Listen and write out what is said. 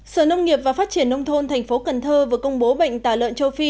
sở nông nghiệp và phát triển nông thôn thành phố cần thơ vừa công bố bệnh tả lợn châu phi